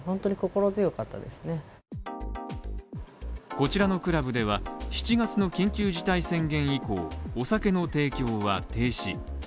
こちらのクラブでは７月の緊急事態宣言以降、お酒の提供は停止。